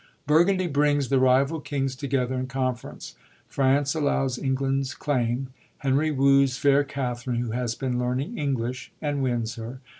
Burgundy brings the rival kings together in conference ; France allows England's claim; Henry woos fair Katharine, who has been learning English, and wins her.